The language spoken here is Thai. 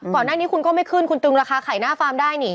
ก่อนหน้านี้คุณก็ไม่ขึ้นคุณตึงราคาไข่หน้าฟาร์มได้นี่